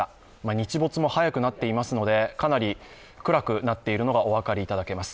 日没も早くなっていますのでかなり暗くなっているのがお分かりいただけます。